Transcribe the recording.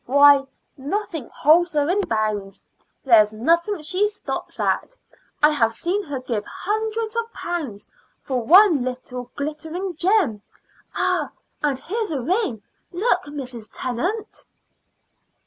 Why, nothing holds her in bounds; there's nothing she stops at. I have seen her give hundreds of pounds for one little glittering gem. Ah! and here's a ring. Look, Mrs. Tennant."